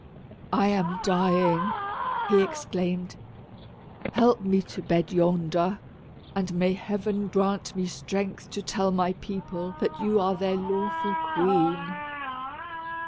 "I am dying," he exclaimed. "Help me to my bed yonder, and may heaven grant me strength to tell my people that you are their lawful queen."